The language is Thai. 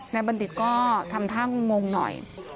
บัณฑิตก็ทำท่างงหน่อย